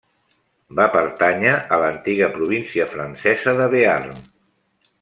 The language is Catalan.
Va pertànyer a l'antiga província francesa de Bearn.